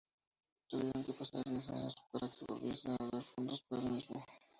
Tuvieron que pasar diez años para que volviese a haber fondos para el mismo.